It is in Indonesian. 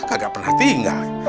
kagak pernah tinggal